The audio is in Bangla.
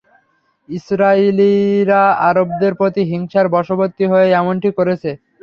ইসরাঈলীরা আরবদের প্রতি হিংসার বশবর্তী হয়ে এমনটি করেছে।